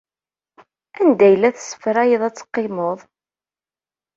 Anda ay la tessefrayeḍ ad teqqimeḍ?